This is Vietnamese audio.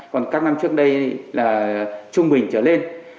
còn các năm trước đây là trung bình trở lên